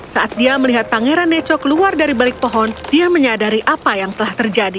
saat dia melihat pangeran neco keluar dari balik pohon dia menyadari apa yang telah terjadi